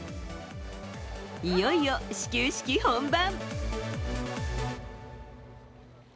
いよいよ始球式本番。